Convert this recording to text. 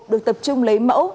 được tập trung lấy mẫu